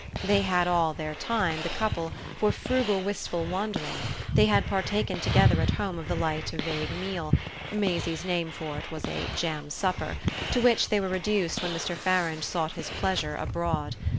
They had all their time, the couple, for frugal wistful wandering: they had partaken together at home of the light vague meal Maisie's name for it was a "jam supper" to which they were reduced when Mr. Farange sought his pleasure abroad.